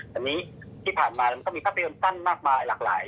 แต่นี้ที่ผ่านมามันก็มีภาพยนตร์สั้นมากมายหลากหลาย